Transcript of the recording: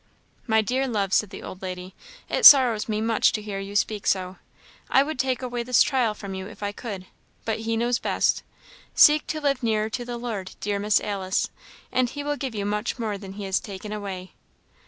"My dear love," said the old lady, "it sorrows me much to hear you speak so; I would take away this trial from you if I could; but He knows best. Seek to live nearer to the Lord, dear Miss Alice, and he will give you much more than he has taken away."